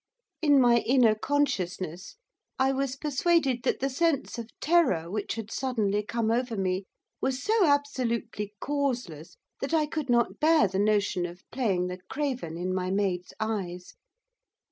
In my inner consciousness I was persuaded that the sense of terror which had suddenly come over me was so absolutely causeless, that I could not bear the notion of playing the craven in my maid's eyes.